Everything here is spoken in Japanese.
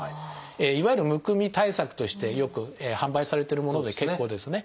いわゆるむくみ対策としてよく販売されてるもので結構ですね。